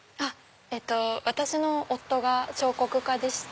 私の夫が彫刻家でして。